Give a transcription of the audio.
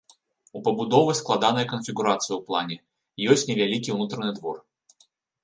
У пабудовы складаная канфігурацыя ў плане, ёсць невялікі ўнутраны двор.